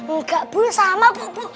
enggak bu sama bu